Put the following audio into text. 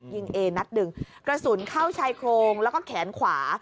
เอนัดหนึ่งกระสุนเข้าชายโครงแล้วก็แขนขวา